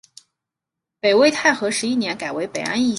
北魏太和十一年改为北安邑县。